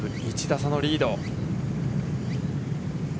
１打差のリード。